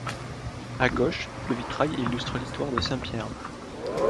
À gauche, le vitrail illustre l'histoire de Saint Pierre.